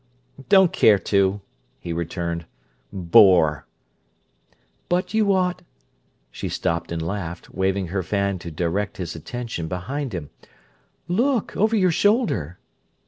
"Don't care to," he returned. "Bore!" "But you ought—" She stopped and laughed, waving her fan to direct his attention behind him. "Look! Over your shoulder!"